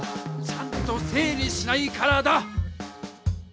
ちゃんと整理しないからだ！